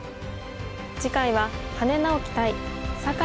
次回は羽根直樹対酒井